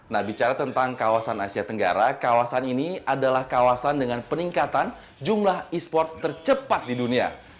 nah bicara tentang kawasan asia tenggara kawasan ini adalah kawasan dengan peningkatan jumlah e sport tercepat di dunia